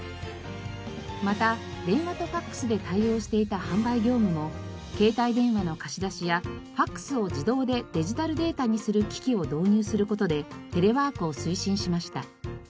また電話とファクスで対応していた販売業務も携帯電話の貸し出しやファクスを自動でデジタルデータにする機器を導入する事でテレワークを推進しました。